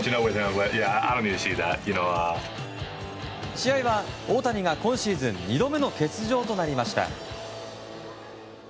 試合は大谷が今シーズン２度目の欠場となりました。